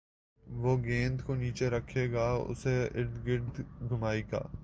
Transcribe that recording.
وہ گیند کو نیچے رکھے گا اُسے اردگرد گھمائے گا